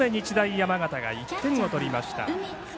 山形が１点を取りました。